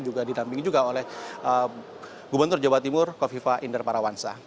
juga didampingi juga oleh gubernur jawa timur kofifa inder parawansa